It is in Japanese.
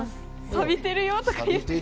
「サビてるよ」とか言って。